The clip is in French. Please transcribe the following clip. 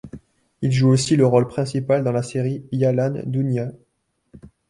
Il joue aussi le rôle principal dans la série Yalan Dünya.